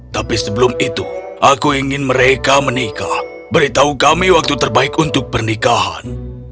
tapi sebelum itu aku ingin mereka menikah beritahu kami waktu terbaik untuk pernikahan